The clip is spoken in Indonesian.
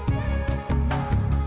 gak usah banyak ngomong